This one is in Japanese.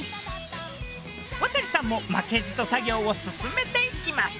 亘さんも負けじと作業を進めていきます。